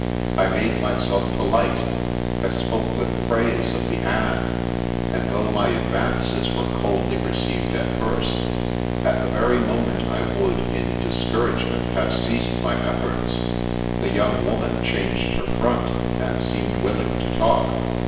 " I made myself polite. I spoke with praise of the ones, and though my advances were coldly received at first, at the very moment I would in discourage ment have ceased my efforts, the young woman changed her front, and seemed willing to talk.